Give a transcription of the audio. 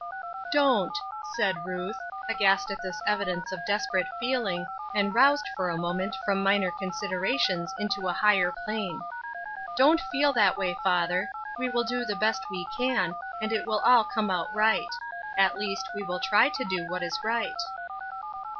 " Don't," said Ruth, aghast at this evidence of desperate feeling, and roused, for a moment, from minor considerations into a higher plane. " Don't feel in this way, father ; we will do the best we can, and it will all come out right ; at least, we will try to do what is right."